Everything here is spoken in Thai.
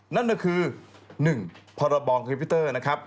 นั่นก็คือ๑พรบคอมพิวเตอร์นะครับ